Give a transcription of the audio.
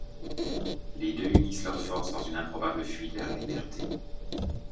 Les deux unissent leurs forces dans une improbable fuite vers la liberté.